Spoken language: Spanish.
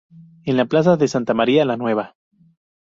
En la "plaza de Santa María la Nueva".